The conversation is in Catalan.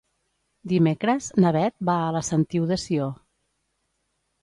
Dimecres na Beth va a la Sentiu de Sió.